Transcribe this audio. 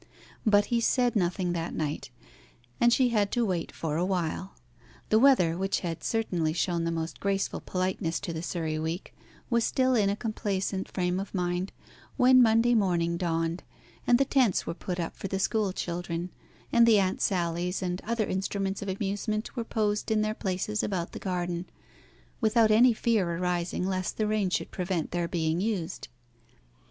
But he said nothing that night, and she had to wait for a while. The weather, which had certainly shown the most graceful politeness to the Surrey week, was still in a complaisant frame of mind when Monday morning dawned, and the tents were put up for the school children, and the Aunt Sallies and other instruments of amusement were posed in their places about the garden, without any fear arising lest the rain should prevent their being used.